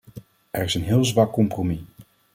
Er is een heel zwak compromis.